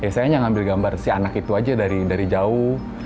saya hanya ngambil gambar si anak itu aja dari jauh